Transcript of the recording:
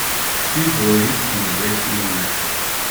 Two boys in a wrestling match.